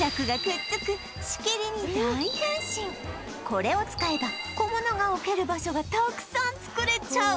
これを使えば小物が置ける場所がたくさん作れちゃう